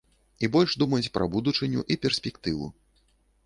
І больш думаць пра будучыню і перспектыву.